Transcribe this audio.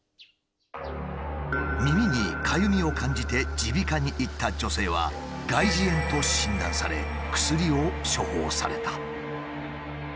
耳にかゆみを感じて耳鼻科に行った女性は外耳炎と診断され薬を処方された。